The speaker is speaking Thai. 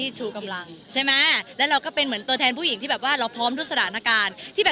ใช่ค่ะจริงเป็นอะไรที่โทษได้